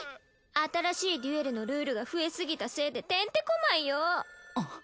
新しいデュエルのルールが増えすぎたせいでてんてこまいよ。